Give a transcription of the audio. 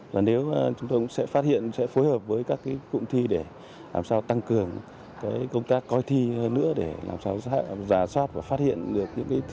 và nếu chúng tôi cũng sẽ phát hiện sẽ phối hợp với các cái cụm thi để làm sao tăng cường công tác coi thi hơn nữa để làm sao giả soát và phát hiện được những cái